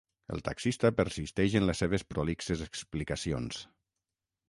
El taxista persisteix en les seves prolixes explicacions.